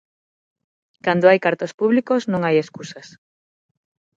Cando hai cartos públicos non hai escusas.